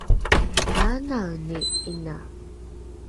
kaanaeni ’ina?